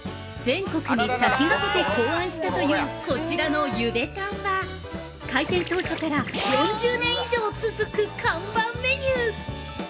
◆全国に先駆けて考案したというこちらのゆでたんは、開店当初から４０年以上続く看板メニュー。